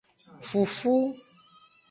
Fufu.